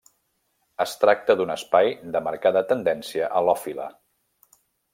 Es tracta d’un espai de marcada tendència halòfila.